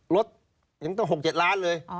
ลดยังต้อง๖๗ล้านเลย